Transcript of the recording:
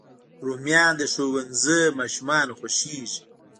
رومیان د ښوونځي ماشومانو خوښېږي